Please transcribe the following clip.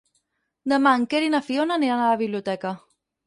Demà en Quer i na Fiona aniran a la biblioteca.